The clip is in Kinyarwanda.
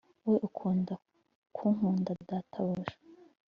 we unkunda k unkunda data buja